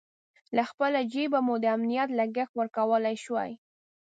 له خپل جېبه مو د امنیت لګښت ورکولای شوای.